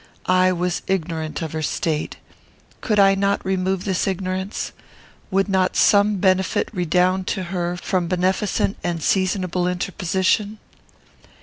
I was ignorant of her state. Could I not remove this ignorance? Would not some benefit redound to her from beneficent and seasonable interposition?